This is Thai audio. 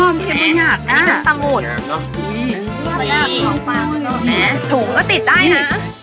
ถุงก็ติดได้นะ